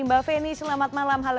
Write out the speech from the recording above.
mbak feni selamat malam halo